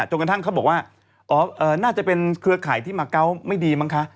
จนกระทั่งเขาบอกว่าน่าจะเป็นเครือข่ายที่มาเกาะไม่ดีมั้งคะ